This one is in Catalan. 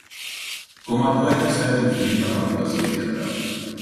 Com a poeta es veu influït per la poesia oriental.